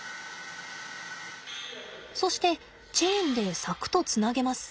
そしてチェーンで柵とつなげます。